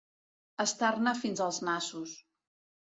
Estar-ne fins als nassos.